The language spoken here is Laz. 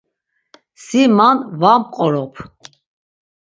Si man va mqorop.